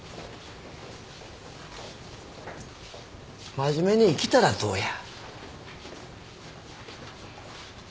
まじめに生きたらどうや？